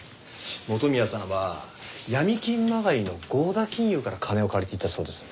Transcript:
元宮さんは闇金まがいの合田金融から金を借りていたそうです。